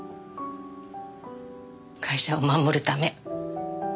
会社を守るため。